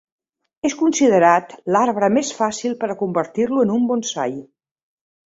És considerat l'arbre més fàcil per a convertir-lo en un Bonsai.